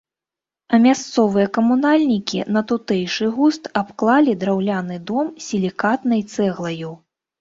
А мясцовыя камунальнікі на тутэйшы густ абклалі драўляны дом сілікатнай цэглаю.